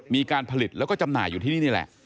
มีการผลิตและจำหน่ายอยู่นี้แหละ